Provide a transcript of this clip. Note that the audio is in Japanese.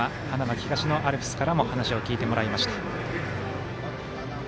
東のアルプスからも話を聞いてもらいました。